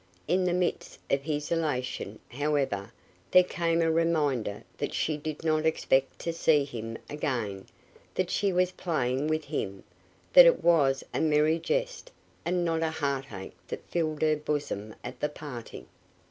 In the midst of his elation, however, there came a reminder that she did not expect to see him again, that she was playing with him, that it was a merry jest and not a heartache that filled her bosom at the parting.